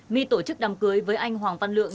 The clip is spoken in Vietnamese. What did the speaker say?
my tổ chức đàm cưới với anh hoàng văn lượng